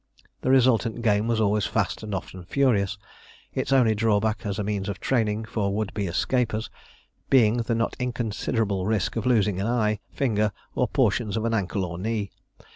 The resultant game was always fast and often furious, its only drawback as a means of training for would be escapers being the not inconsiderable risk of losing an eye, finger, or portions of an ankle or knee.